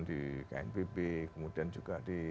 di knpb kemudian juga di